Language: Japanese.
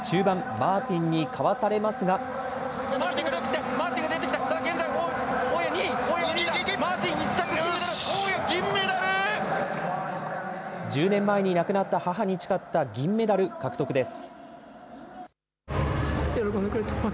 マーティン１着、大矢、１０年前に亡くなった母に誓った銀メダル、獲得です。